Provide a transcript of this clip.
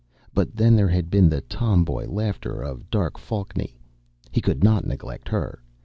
But then there had been the tomboy laughter of dark Falkny, he could not neglect her.